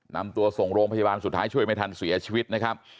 นำตัวส่งโรงพยาบาลสุดท้ายช่วยไม่ทันเสียชีวิตนะครับ